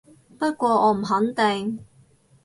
不過我唔肯定